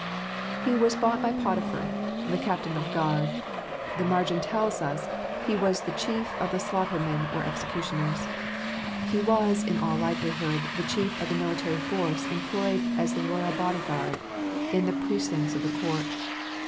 30 3 ht tire Hmtse of ^Jotipljar. He was bought by Potiphar, "the captain of the guard." The margin tells us he was the chief of the slaughtermen or executioners. He was, in all likelihood, the chief of the military force employed as the royal body guard, in the pre cincts of the court.